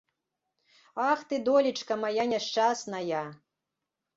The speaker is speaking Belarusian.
Ах ты, долечка мая няшчасная!